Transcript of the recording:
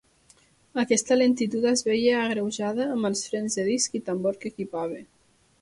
Aquesta lentitud es veia agreujada amb els frens de disc i tambor que equipava.